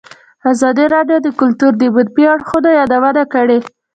ازادي راډیو د کلتور د منفي اړخونو یادونه کړې.